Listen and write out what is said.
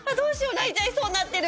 泣いちゃいそうになってる。